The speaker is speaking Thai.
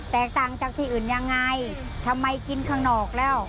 แตกต่างจากที่อื่นยังไงทำไมกินข้างนอกแล้ว